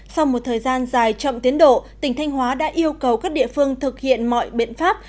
sau một thời gian dài chậm tiến độ tỉnh thanh hóa đã yêu cầu các địa phương thực hiện mọi biện pháp